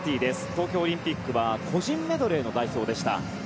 東京オリンピックは個人メドレー代表でした。